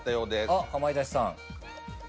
あっかまいたちさん。